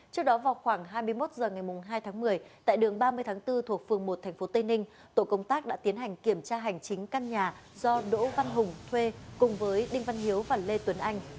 trước đó vào khoảng hai mươi một h ngày hai tháng một mươi tại đường ba mươi tháng bốn thuộc phường một tp tây ninh tổ công tác đã tiến hành kiểm tra hành chính căn nhà do đỗ văn hùng thuê cùng với đinh văn hiếu và lê tuấn anh